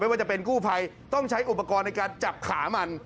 ว่าจะเป็นกู้ภัยต้องใช้อุปกรณ์ในการจับขามัน